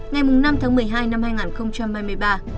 ngày năm tháng một mươi hai năm hai nghìn hai mươi ba